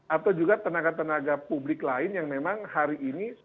atau juga tenaga tenaga publik lain yang memang hari ini